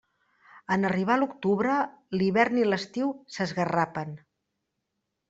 En arribar l'octubre, l'hivern i l'estiu s'esgarrapen.